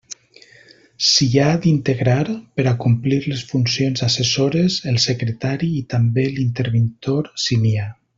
S'hi ha d'integrar, per a complir les funcions assessores, el secretari i també l'interventor, si n'hi ha.